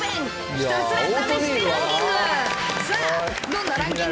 ひたすら試してランキング。